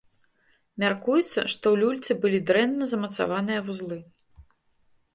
Мяркуецца, што ў люльцы былі дрэнна замацаваныя вузлы.